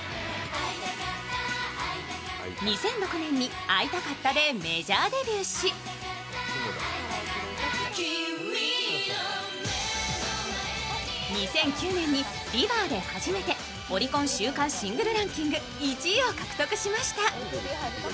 ２００６年に「会いたかった」でメジャーデビューし２００９年に「ＲＩＶＥＲ」で初めてオリコン週間シングルランキング１位を獲得しました。